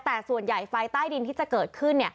แต่ส่วนใหญ่ไฟใต้ดินที่จะเกิดขึ้น